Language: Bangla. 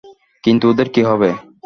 কিন্তু ওদের কী হবে?